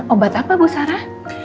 obat apa bu sarah